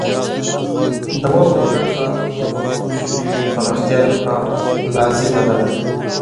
د واورئ برخه د پښتو ژبې د پراختیا لپاره لازمه ده.